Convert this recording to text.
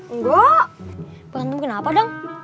enggak berantem kenapa deng